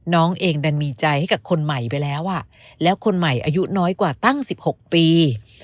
น้องเองดันมีใจให้กับคนใหม่ไปแล้วแล้วคนใหม่อายุน้อยกว่าตั้ง๑๖ปี